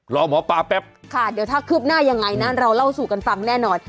รอหมอปลาแป๊บค่ะเดี๋ยวถ้าคืบหน้ายังไงนะเราเล่าสู่กันฟังแน่นอน